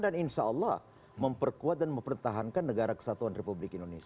dan insya allah memperkuat dan mempertahankan negara kesatuan republik indonesia